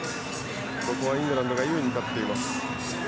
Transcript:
ここはイングランドが優位に立っています。